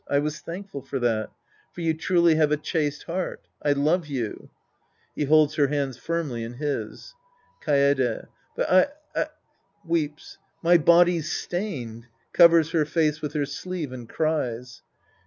I was thankful for that. For you truly have a chaste ,^ heart. I love you. {He holds her hands firmly in '''•' his.) Kaede. But I, I — {Weeps^ My body's stained. {Cavers her face with her sleeve and cries.)